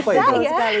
kok bisa ya